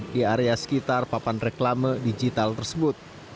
di area sekitar papan reklame digital tersebut